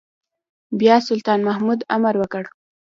بيا سلطان محمود امر وکړ.